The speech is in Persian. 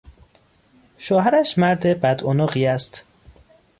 شوهرش مرد بدعنقی است.